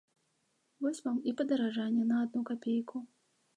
Вось вам і падаражанне на адну капейку!